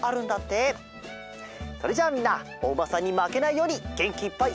それじゃあみんなおうまさんにまけないようにげんきいっぱい